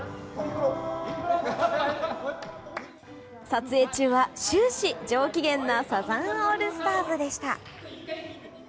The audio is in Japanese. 撮影中は終始、上機嫌なサザンオールスターズでした。